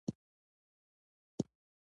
زما ورور په کابل کې ميشت ده.